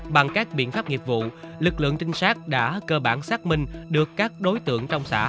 bằng các biện pháp nghiệp vụ lực lượng trinh sát đã cơ bản xác minh được các đối tượng trong xã